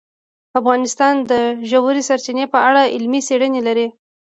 افغانستان د ژورې سرچینې په اړه علمي څېړنې لري.